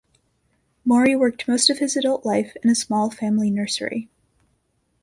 Mori worked most of his adult life in a small family nursery.